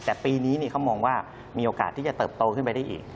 แต่ปีนี้เขามองว่ามีโอกาสที่จะเติบโตขึ้นไปได้อีก